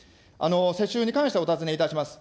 世襲に関して、お伺いいたします。